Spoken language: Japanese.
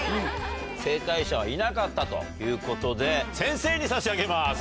正解者はいなかったということで先生に差し上げます。